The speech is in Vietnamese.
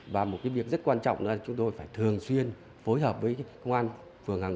và một cái việc rất quan trọng là chúng tôi phải thường xuyên phối hợp với công an phường hàng